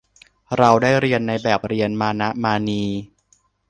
เราได้เรียนในแบบเรียนมานะมานี